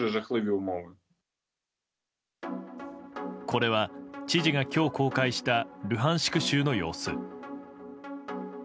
これは、知事が今日公開したルハンシク州の様子。